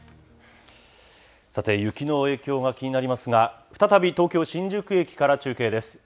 さて、雪の影響が気になりますが、再び東京・新宿駅から中継です。